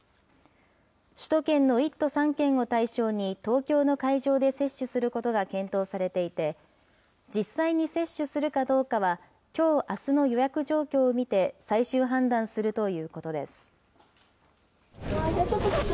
首都圏の１都３県を対象に、東京の会場で接種することが検討されていて、実際に接種するかどうかは、きょう、あすの予約状況を見て、最終判断するということです。